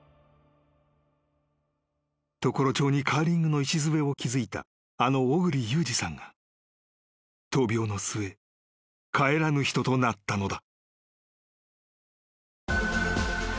［常呂町にカーリングの礎を築いたあの小栗祐治さんが闘病の末帰らぬ人となったのだ］